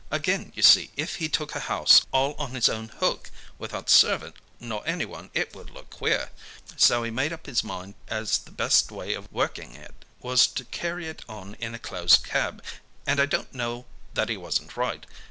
Again, you see, if he took a house all on his own hook, without servant nor anyone, it would look queer. So he made up his mind as the best way of working it was to carry it on in a closed cab, and I don't know that he wasn't right.